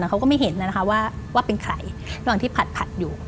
เขาก็ไม่เห็นนะคะว่าเป็นใครระหว่างที่ผัดอยู่